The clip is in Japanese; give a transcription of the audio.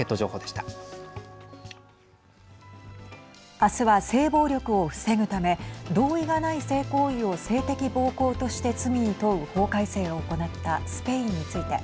明日は性暴力を防ぐため同意がない性行為を性的暴行として罪に問う法改正を行ったスペインについて。